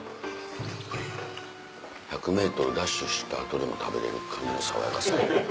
１００ｍダッシュした後にも食べれるこの爽やかさ。